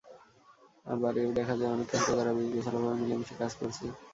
আবার এ–ও দেখা যায়, অনেক ক্ষেত্রে তারা বেশ গোছালোভাবে মিলেমিশে কাজ করছে।